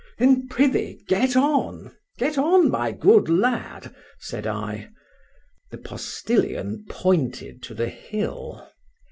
— —Then, prithee, get on—get on, my good lad, said I. The postilion pointed to the hill.